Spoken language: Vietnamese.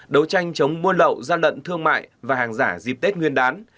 đấu tranh chống mua lậu gian lận thương mại và hàng giả dịp tết nguyên đán